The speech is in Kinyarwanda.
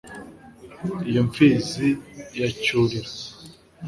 Iyo mpfizi ya Cyurira